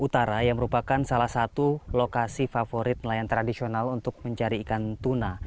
laut maluku utara merupakan salah satu lokasi favorit nelayan tradisional untuk mencari ikan tuna